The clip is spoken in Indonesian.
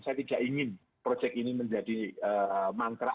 saya tidak ingin proyek ini menjadi mangkrak